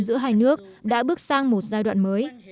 giữa hai nước đã bước sang một giai đoạn mới